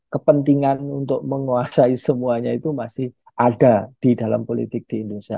kepentingan untuk menguasai semuanya itu masih ada di dalam politik di indonesia